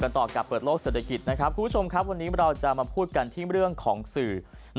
สวัสดีครับกลับมาพูดกันที่เรื่องของสื่อ